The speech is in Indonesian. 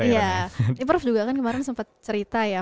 iya ini prof juga kan kemarin sempat cerita ya